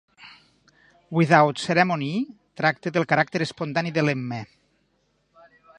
"Without Ceremony" tracta del caràcter espontani de l'Emma.